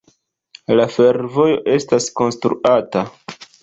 La fervojo estas konstruata.